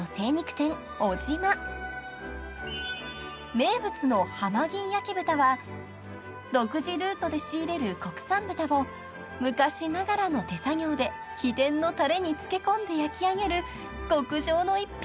［名物の濱吟焼豚は独自ルートで仕入れる国産豚を昔ながらの手作業で秘伝のたれに漬け込んで焼き上げる極上の逸品］